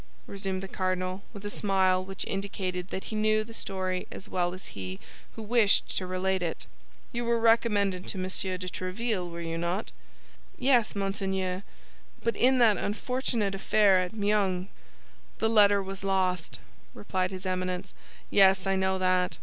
resumed the cardinal, with a smile which indicated that he knew the story as well as he who wished to relate it. "You were recommended to Monsieur de Tréville, were you not?" "Yes, monseigneur; but in that unfortunate affair at Meung—" "The letter was lost," replied his Eminence; "yes, I know that.